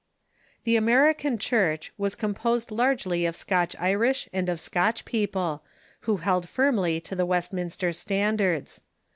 The American Church was composed largely of Scotch Irish and of Scotch people, who held firmly to the Westmin ster standards.